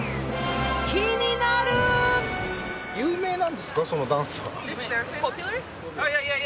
気になる有名なんですかそのダンスは？